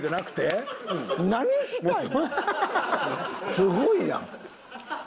すごいやん。